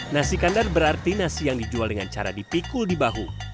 nasi kandar berarti nasi yang dijual dengan cara dipikul di bahu